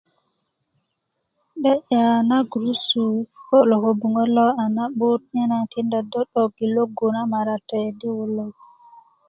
'de'ya na gurusu i kiko lo kobuŋöt lo a na'but nyena tinda do yi logu na marate di wulek